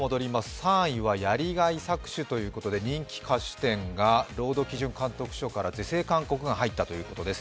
３位はやりがい搾取ということで人気菓子店が労働基準監督局から是正勧告が入ったということです。